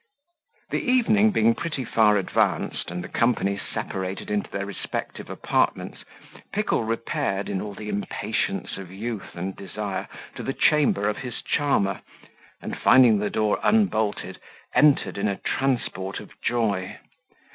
The evening being pretty far advanced, and the company separated into their respective apartments, Pickle repaired, in all the impatience of youth and desire, to the chamber of his charmer, and, finding the door unbolted, entered in a transport of joy.